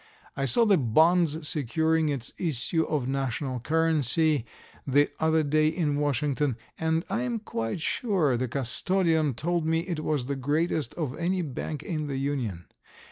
I saw the bonds securing its issue of national currency the other day in Washington, and I am quite sure the custodian told me it was the greatest of any bank in the Union.